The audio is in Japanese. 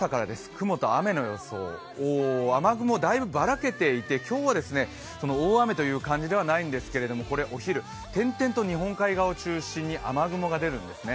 雲と雨の様子、雨雲だいぶばらけていて今日は大雨という感じではないんですけれどもお昼、点々と日本海側を中心に雨雲が出るんですね。